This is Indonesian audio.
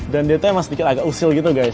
dan dia tuh emang sedikit agak usil gitu guys